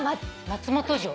松本城！